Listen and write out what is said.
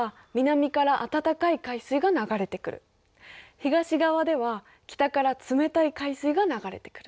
東側では北から冷たい海水が流れてくる。